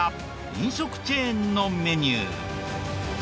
飲食チェーンのメニュー。